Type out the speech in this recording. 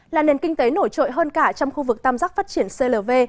là nền kinh tế nổi trội hơn cả trong khu vực tam giác phát triển clv